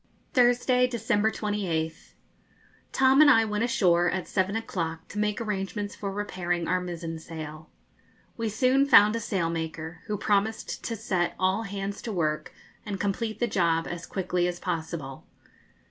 Thursday, December 28th. Tom and I went ashore at seven o'clock to make arrangements for repairing our mizen sail. We soon found a sailmaker, who promised to set all hands to work and complete the job as quickly as possible.